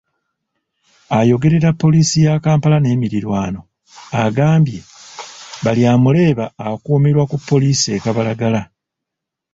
Ayogerera Poliisi ya Kampala n’emirirwano agambye Baryamureeba akuumirwa ku Pollisi e Kabalagala.